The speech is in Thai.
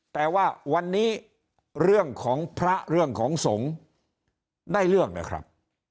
แต่ว่าวันนี้เรื่องของพระเรื่องของสงฆ์ได้เรื่องนะครับ